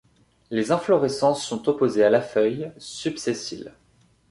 Les inflorescences sont opposées à la feuille, subsessiles.